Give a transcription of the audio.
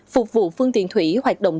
phục vụ phương tiện thủy hoạt động